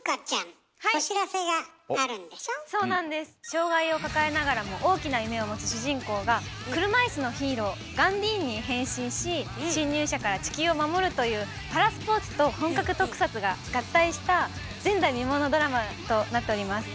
障害を抱えながらも大きな夢を持つ主人公が車いすのヒーローガンディーンに変身し侵入者から地球を守るというパラスポーツと本格特撮が合体した前代未聞のドラマとなっております。